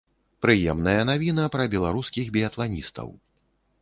Прыемная навіна пра беларускіх біятланістаў.